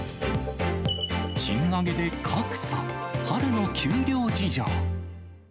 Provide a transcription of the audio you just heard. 賃上げで格差、春の給料事情。